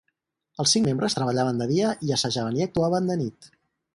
Els cinc membres treballaven de dia i assajaven i actuaven de nit.